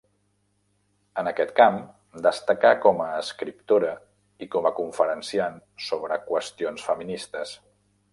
En aquest camp destacà com a escriptora i com a conferenciant sobre qüestions feministes.